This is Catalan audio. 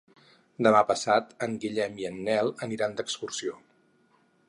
Demà passat en Guillem i en Nel aniran d'excursió.